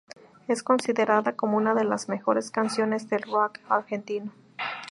Es considerada como una de las mejores canciones del rock argentino.